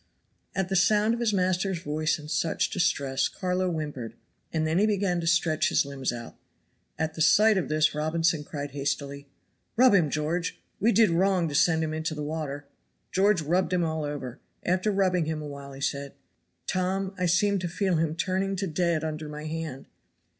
At the sound of his master's voice in such distress, Carlo whimpered, and then he began to stretch his limbs out. At the sight of this Robinson cried hastily: "Rub him, George; we did wrong to send him into the water." George rubbed him all over. After rubbing him a while, he said: "Tom, I seem to feel him turning to dead under my hand."